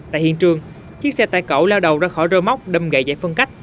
tại hiện trường chiếc xe tải cẩu lao đầu ra khỏi rơ móc đâm gậy giải phân cách